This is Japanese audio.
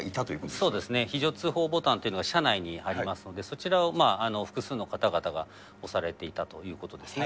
そうですね、非常通報ボタンというのが車内にありますので、そちらを複数の方々が押されていたということですね。